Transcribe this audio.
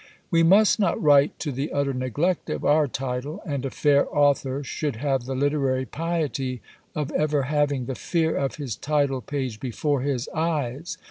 We must not write to the utter neglect of our title; and a fair author should have the literary piety of ever having "the fear of his title page before his eyes."